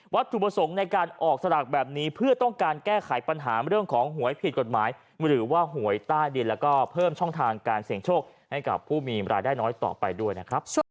ถูกประสงค์ในการออกสลากแบบนี้เพื่อต้องการแก้ไขปัญหาเรื่องของหวยผิดกฎหมายหรือว่าหวยใต้ดินแล้วก็เพิ่มช่องทางการเสี่ยงโชคให้กับผู้มีรายได้น้อยต่อไปด้วยนะครับ